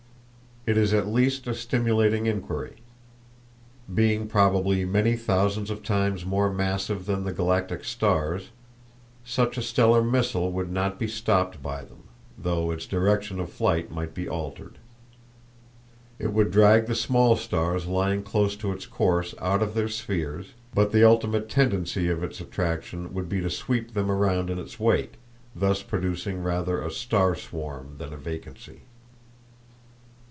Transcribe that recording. It is at least a stimulating inquiry. Being probably many thousands of times more massive than the galactic stars, such a stellar missile would not be stopped by them, though its direction of flight might be altered. It would drag the small stars lying close to its course out of their spheres, but the ultimate tendency of its attraction would be to sweep them round in its wake, thus producing rather a star swarm than a vacancy.